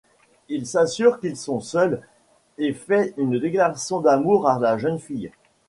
Il s’assure qu’ils sont seuls et fait une déclaration d’amour à la jeune fille.